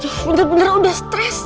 aduh bener bener udah stress